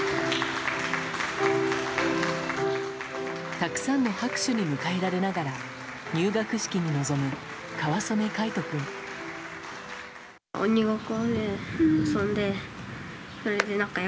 たくさんの拍手に迎えられながら入学式に臨む、川染凱仁君。